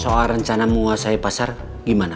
soal rencana menguasai pasar gimana